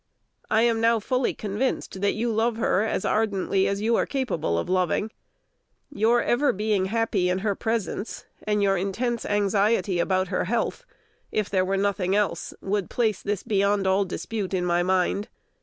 I am now fully convinced that you love her as ardently as you are capable of loving. Your ever being happy in her presence, and your intense anxiety about her health, if there were nothing else, would place this beyond all dispute in my mind.